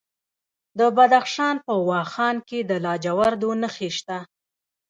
د بدخشان په واخان کې د لاجوردو نښې شته.